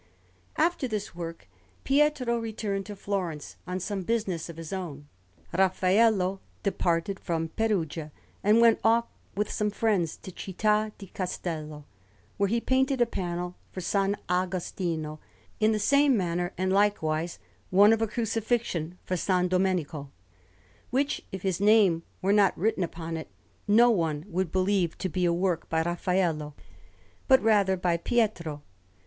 After this work, Pietro returning to Florence on some business of his own, Raffaello departed from Perugia and went off with some friends to Città di Castello, where he painted a panel for S. Agostino in the same manner, and likewise one of a Crucifixion for S. Domenico, which, if his name were not written upon it, no one would believe to be a work by Raffaello, but rather by Pietro.